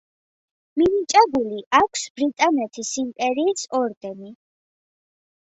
მინიჭებული აქვს ბრიტანეთის იმპერიის ორდენი.